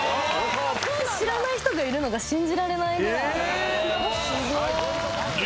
知らない人がいるのが信じられないぐらいえーっ